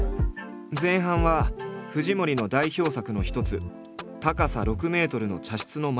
前半は藤森の代表作の一つ高さ６ｍの茶室の前へ。